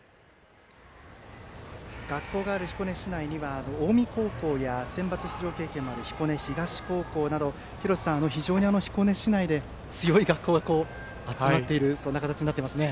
学校がある彦根市内には近江高校やセンバツ出場経験もある彦根東高校など非常に彦根市内で強い学校が集まっているそんな形になっていますね。